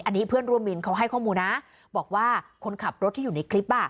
อันนี้เพื่อนร่วมวินเขาให้ข้อมูลนะบอกว่าคนขับรถที่อยู่ในคลิปอ่ะ